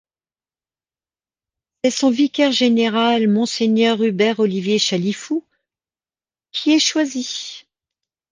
C'est son vicaire général, Mgr Hubert-Olivier Chalifoux, qui est choisi.